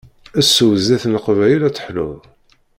Sew zzit n leqbayel ad teḥluḍ!